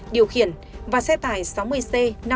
điều khiển và xe tải sáu mươi c năm trăm linh bảy xx